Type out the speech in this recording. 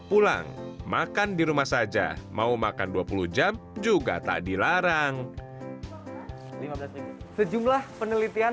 pulang makan di rumah saja mau makan dua puluh jam juga tak dilarang lima belas menit sejumlah penelitian